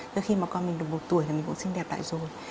cho khi mà con mình được một tuổi thì mình cũng sinh đẹp lại rồi